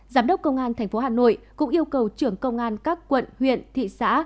giám đốc công an tp hà nội cũng yêu cầu trưởng công an các quận huyện thị xã